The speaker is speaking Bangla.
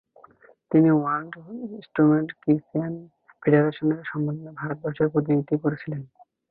তিনি ওয়ার্ল্ড স্টুডেন্টস ক্রিশ্চিয়ান ফেডারেশনের সম্মেলনে ভারতবর্ষের প্রতিনিধিত্ব করেছিলেন।